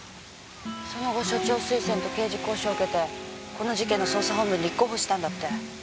その後署長推薦と刑事講習受けてこの事件の捜査本部に立候補したんだって。